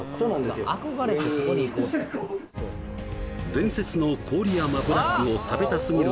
伝説の郡山ブラックを食べたすぎる